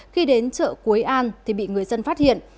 khi đến chợ quế an thì bị người dân phát hiện